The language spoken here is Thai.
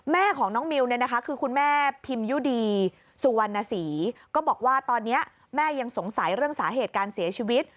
แม่ของน้องมิวเนี่ยนะคะคือคุณแม่พิมยุดีสุวรรณศรีก็บอกว่าตอนนี้แม่ยังสงสัยเรื่องสาเหตุการเสียชีวิต